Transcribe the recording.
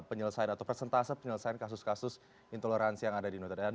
penyelesaian atau persentase penyelesaian kasus kasus intoleransi yang ada di nusa tenggara